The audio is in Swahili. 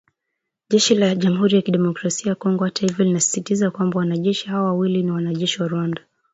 Jeshi la Jamuhuri ya Kidemokrasia ya Kongo hata hivyo linasisitiza kwamba “wanajeshi hao wawili ni wanajeshi wa Rwanda